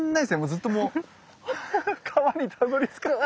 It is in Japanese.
ずっともう川にたどりつかない。